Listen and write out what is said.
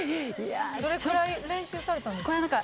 どれぐらい練習されたんですか？